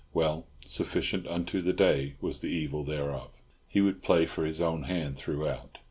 Well, sufficient unto the day was the evil thereof. He would play for his own hand throughout.